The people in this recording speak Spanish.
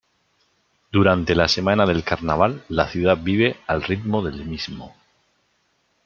Durante la semana del carnaval la ciudad vive al ritmo del mismo.